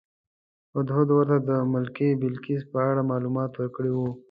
هدهد ورته د ملکې بلقیس په اړه معلومات ورکړي وو.